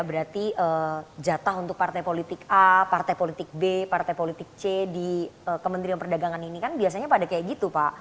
berarti jatah untuk partai politik a partai politik b partai politik c di kementerian perdagangan ini kan biasanya pada kayak gitu pak